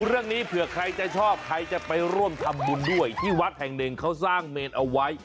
เรื่องนี้เผื่อใครจะชอบใครจะไปร่วมทำบุญด้วยที่วัดแห่งหนึ่งเขาสร้างเมนเอาไว้